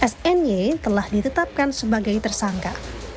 sny telah ditetapkan sebagai tersangka